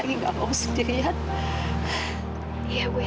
gimana akut dari saya dok